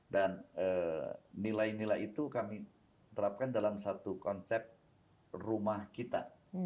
dan nilai nilai itu kami terapkan dalam satu konsep rumah kita